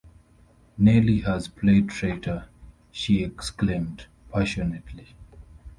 'Nelly has played traitor,’ she exclaimed, passionately.